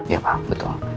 iya pak betul